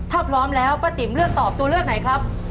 ถ้าพร้อมแล้วป้าติ๋มเลือกตอบตัวเลือกไหนครับ